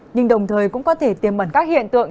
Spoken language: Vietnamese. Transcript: nhưng đồng thời cũng có thể tiềm ẩn các hiện tượng